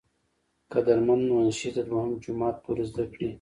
قدر مند منشي د دويم جمات پورې زدکړې